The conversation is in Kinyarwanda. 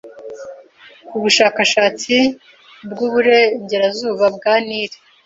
kubushakashatsi bwiburengerazuba bwa Nili.